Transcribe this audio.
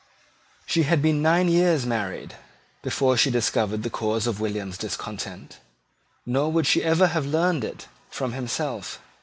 She had been nine years married before she discovered the cause of William's discontent; nor would she ever have learned it from himself.